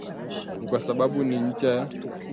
Ni kwa sababu ni ncha ya